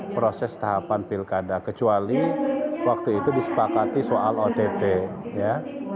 proses tahapan pilkada kecuali waktu itu disepakati soal ott ya